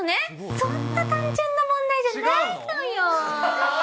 そんな単純な問題じゃないのよ。